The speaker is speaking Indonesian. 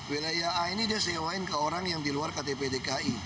wilayah a ini dia sewain ke orang yang di luar ktp dki